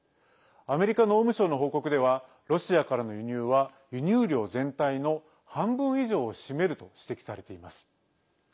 アメリカ農務省の報告ではロシアからの輸入は輸入量全体の半分以上を占めると指摘されています。